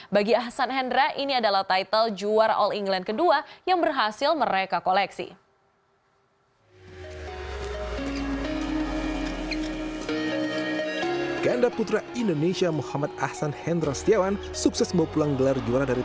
bagi ahsan hendra ini adalah title juara all england kedua yang berhasil mereka koleksi